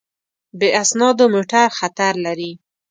بې اسنادو موټر خطر لري.